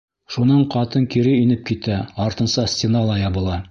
Шунан ҡатын кире инеп китә, артынса стена ла ябыла.